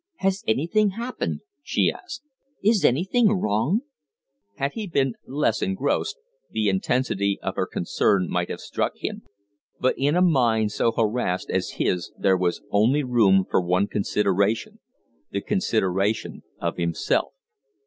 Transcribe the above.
"Has anything happened?" she asked. "Is any thing wrong?" Had he been less engrossed the intensity of her concern might have struck him; but in a mind so harassed as his there was only room for one consideration the consideration of himself.